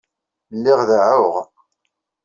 Lliɣ deɛɛuɣ.